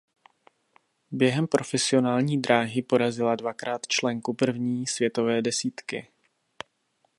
Během profesionální dráhy porazila dvakrát členku první světové desítky.